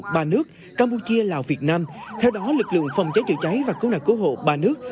ba nước campuchia lào việt nam theo đó lực lượng phòng cháy chữa cháy và cứu nạn cứu hộ ba nước